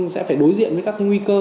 sẽ phải đối diện với các cái nguy cơ